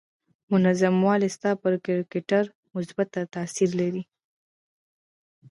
منظم والی ستا پر کرکټر مثبت تاثير لري.